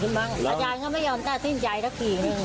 ทำยังไงรู้ไหมครับ